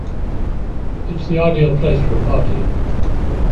It’s the ideal place for a party.